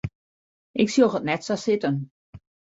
Ik sjoch it net sa sitten.